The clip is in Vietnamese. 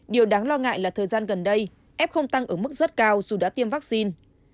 điều đáng lo ngại là thời gian gần đây f không tăng ở mức rất cao dù đã tiêm vaccine